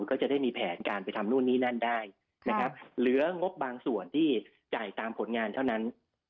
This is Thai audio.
ก็จะได้มีแผนการไปทำนู่นนี่นั่นได้นะครับเหลืองบบางส่วนที่จ่ายตามผลงานเท่านั้น